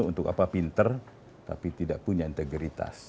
untuk apa pinter tapi tidak punya integritas